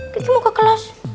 kita mau ke kelas dua